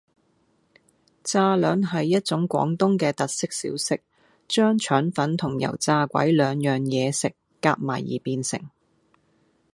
炸兩係一種廣東嘅特色小食，將腸粉同油炸鬼兩種嘢食夾埋而變成